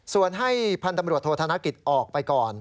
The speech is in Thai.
ส่วนให้พันธุ์ตำรวจโทษธนกิจออกไปก่อน